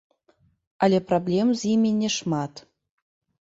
Але праблем з імі няшмат.